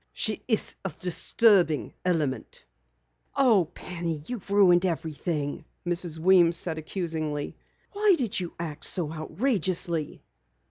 She is a disturbing element." "Oh, Penny, you've ruined everything," said Mrs. Weems accusingly. "Why do you act so outrageously?"